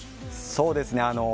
そうですね。